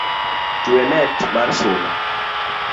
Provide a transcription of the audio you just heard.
Twe net mar suna